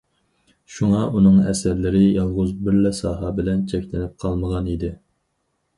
شۇڭا ئۇنىڭ ئەسەرلىرى يالغۇز بىرلا ساھە بىلەن چەكلىنىپ قالمىغان ئىدى.